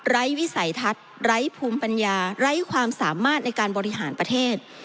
วิสัยทัศน์ไร้ภูมิปัญญาไร้ความสามารถในการบริหารประเทศ